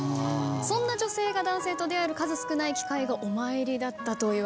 そんな女性が男性と出会える数少ない機会がお参りだったといわれています。